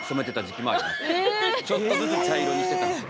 ちょっとずつ茶色にしてた。